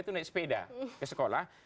itu naik sepeda ke sekolah